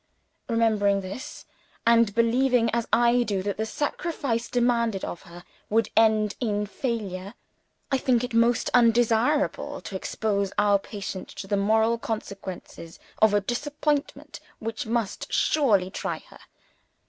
Remembering this, and believing as I do that the sacrifice demanded of her would end in failure, I think it most undesirable to expose our patient to the moral consequences of a disappointment which must seriously try her.